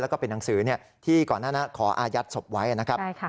แล้วก็เป็นหนังสือที่ก่อนหน้านั้นขออายัดศพไว้นะครับ